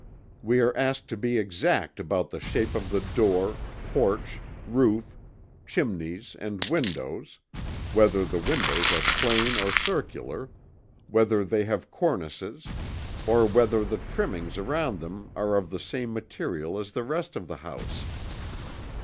We are asked to be exact about the shape of the door, porch, roof, chimneys and windows; whether the windows are plain or circular, whether they have cornices, or whether the trimmings around them are of the same material as the rest of the house.